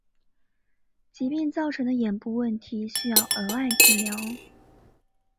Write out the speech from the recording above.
疾病造成的眼部问题需额外治疗。